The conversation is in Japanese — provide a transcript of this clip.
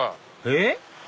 えっ？